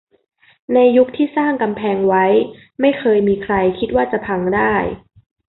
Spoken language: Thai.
ในยุคที่สร้างกำแพงไว้ ไม่เคยมีใครคิดว่าจะพังได้